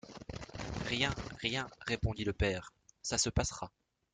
Rien, rien, répondit le père, ça se passera.